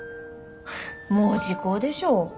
もう時効でしょ。